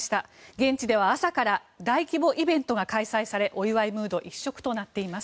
現地では朝から大規模イベントが開催されお祝いムード一色となっています。